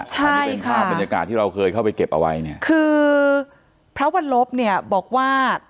ใช่ค่ะคือพระอาจารย์วันลบบอกว่า